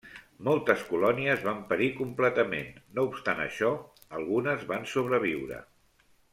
Moltes colònies van perir completament, no obstant això algunes van sobreviure.